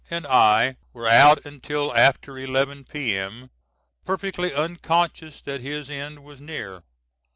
and I were out until after 11 P.M., perfectly unconscious that his end was near.